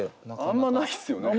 あんまないっすよね。